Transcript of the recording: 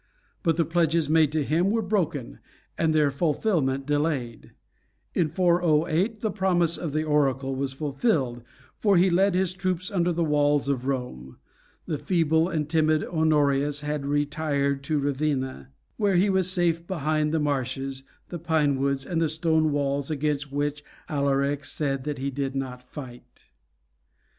But the pledges made to him were broken, and their fulfilment delayed. In 408 the promise of the oracle was fulfilled, for he led his troops under the walls of Rome. The feeble and timid Honorius had retired to Ravenna, where he was safe behind the marshes, the pine woods, and the stone walls against which Alaric said that he did not fight.